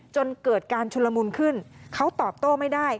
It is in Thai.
จนเกิดการชุลมุนขึ้นเขาตอบโต้ไม่ได้